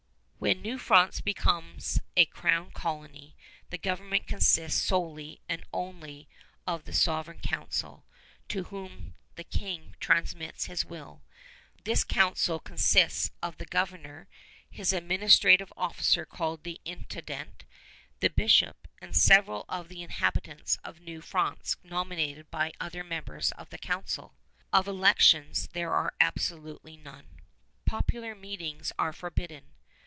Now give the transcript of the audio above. When New France becomes a Crown Colony, the government consists solely and only of the Sovereign Council, to whom the King transmits his will. This council consists of the Governor, his administrative officer called the "Intendant," the bishop, and several of the inhabitants of New France nominated by the other members of the council. Of elections there are absolutely none. Popular meetings are forbidden.